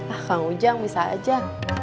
ah kang ujang bisa aja